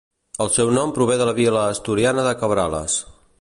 El seu nom prové de la vila asturiana de Cabrales.